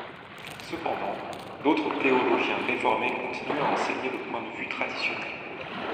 Cependant, d'autres théologiens réformés continuent à enseigner le point de vue traditionnel.